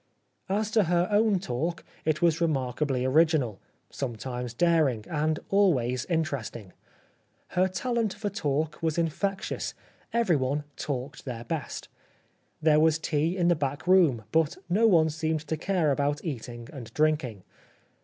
As to her own talk it was remarkably original, sometimes daring, and always interesting. Her talent for talk was infectious ; everyone talked their best. There was tea in the back room, but no one seemed to care about eating and drinking.